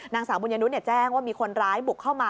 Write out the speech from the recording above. นางสาวบุญญนุษย์แจ้งว่ามีคนร้ายบุกเข้ามา